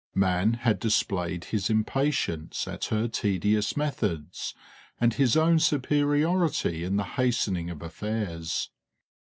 Man had displayed his impatience at her tedious methods and his own superiority in the hastening of affairs.